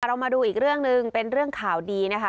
เรามาดูอีกเรื่องหนึ่งเป็นเรื่องข่าวดีนะคะ